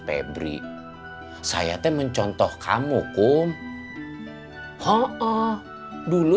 febri saya te mencontoh kamu kum haa dulu setiap kali kamu pulang kerja dari jakarta kamu selalu